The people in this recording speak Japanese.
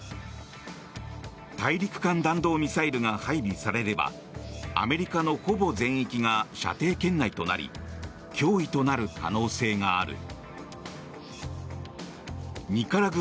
大陸間弾道ミサイルが配備されればアメリカのほぼ全域が射程圏内となり脅威となる可能性がある。